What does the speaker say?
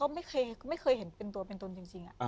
ก็ไม่เคยเห็นเป็นตัวเป็นตนจริง